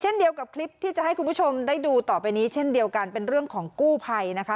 เช่นเดียวกับคลิปที่จะให้คุณผู้ชมได้ดูต่อไปนี้เช่นเดียวกันเป็นเรื่องของกู้ภัยนะคะ